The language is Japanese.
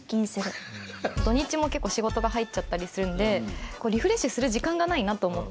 土日も結構仕事が入っちゃったりするんでリフレッシュする時間がないなと思って。